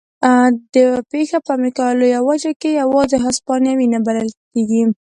دا پېښه په امریکا لویه وچه کې یوازې هسپانویان نه بلل کېږي.